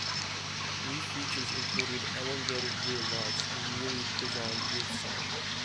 New features included elongated rear lights and a newly designed roof sign.